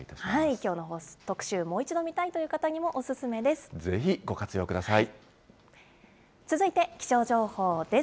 きょうの特集、もう一度見たいという方にもお勧めです。